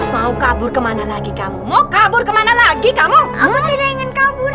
mau kabur kemana lagi kamu mau kabur kemana lagi kamu aman tidak ingin kabur